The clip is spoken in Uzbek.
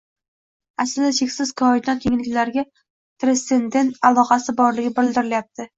aslida cheksiz Koinot kengliklariga transsendent aloqasi borligi bildirilyapti.